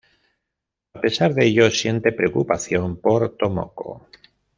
A pesar de ello, siente preocupación por Tomoko.